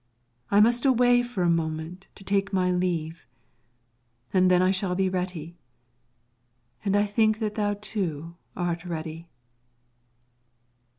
I must away for a moment to take my leave, and then I shall be ready, and I think that thou too art ready.